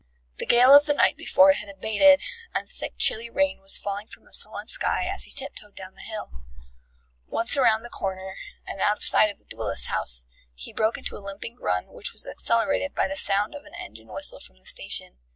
The gale of the night before had abated, and thick chilly rain was falling from a sullen sky as he tiptoed down the hill. Once round the corner and out of sight of the duellist's house, he broke into a limping run, which was accelerated by the sound of an engine whistle from the station.